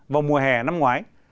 vào mùa hè năm ngoái